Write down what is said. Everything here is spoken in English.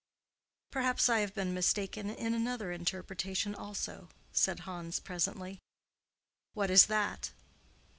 "Perhaps I have been mistaken in another interpretation, also," said Hans, presently. "What is that?"